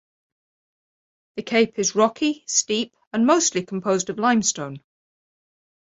The cape is rocky, steep and mostly composed of limestone.